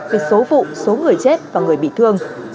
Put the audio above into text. về số vụ số người chết và người bị thương